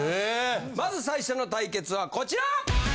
まず最初の対決はこちら！